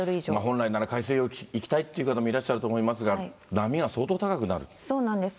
本来なら海水浴行きたいという方もいらっしゃると思いますが、そうなんです。